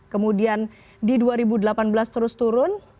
kemudian di dua ribu delapan belas terus turun